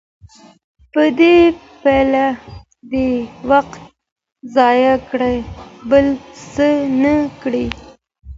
په دې پله دي وخت ضایع کړ بل څه نه کړې